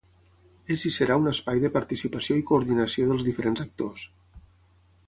És i serà un espai de participació i coordinació dels diferents actors.